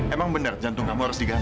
emang bener jantung kamu harus diganti